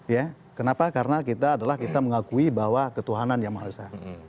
ya kenapa karena kita adalah kita mengakui bahwa ketuhanan yang maha esa